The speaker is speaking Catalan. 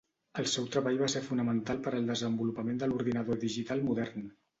El seu treball va ser fonamental per al desenvolupament de l'ordinador digital modern.